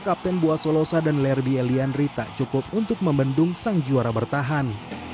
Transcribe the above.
kapten bua solosa dan lerby elianri tak cukup untuk membendung sang juara bertahan